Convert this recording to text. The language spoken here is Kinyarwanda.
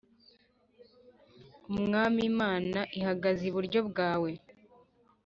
Umwami Imana ihagaze iburyo bwawe,